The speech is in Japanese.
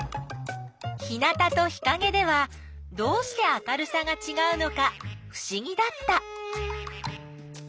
日なたと日かげではどうして明るさがちがうのかふしぎだった。